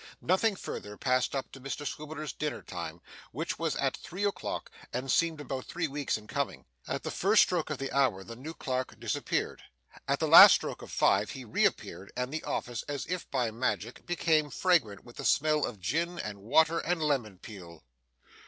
Nothing further passed up to Mr Swiveller's dinner time, which was at three o'clock, and seemed about three weeks in coming. At the first stroke of the hour, the new clerk disappeared. At the last stroke of five, he reappeared, and the office, as if by magic, became fragrant with the smell of gin and water and lemon peel.